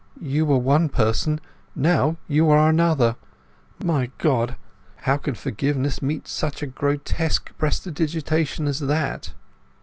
You were one person; now you are another. My God—how can forgiveness meet such a grotesque—prestidigitation as that!"